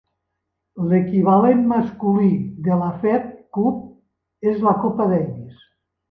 L'equivalent masculí de la Fed Cup és la Copa Davis.